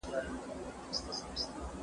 فایبر د کولمو له خوا کارول کېږي.